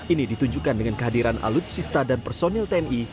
ini ditunjukkan dengan kehadiran alutsista dan personil tni